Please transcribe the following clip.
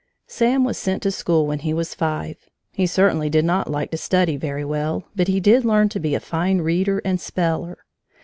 Sam was sent to school when he was five. He certainly did not like to study very well but did learn to be a fine reader and speller.